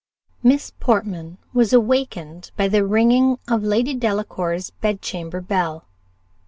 Miss Portman was awakened by the ringing of Lady Delacour's bedchamber bell.